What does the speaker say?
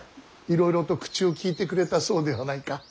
いろいろと口を利いてくれたそうではないか。